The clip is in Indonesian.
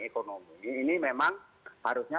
ekonomi ini memang harusnya